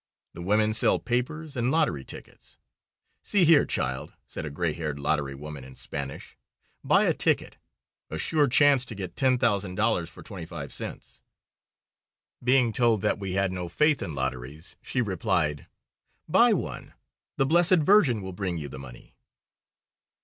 The women sell papers and lottery tickets. "See here, child," said a gray haired lottery woman in Spanish. "Buy a ticket. A sure chance to get $10,000 for twenty five cents." Being told that we had no faith in lotteries, she replied: "Buy one; the Blessed Virgin will bring you the money."